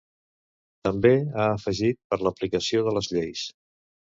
També, ha afegit, per l'aplicació de les lleis.